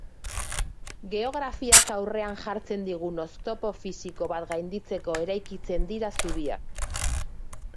Geografiak aurrean jartzen digun oztopo fisiko bat gainditzeko eraikitzen dira zubiak.